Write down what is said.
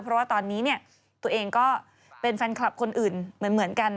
เพราะว่าตอนนี้ตัวเองก็เป็นแฟนคลับคนอื่นเหมือนกัน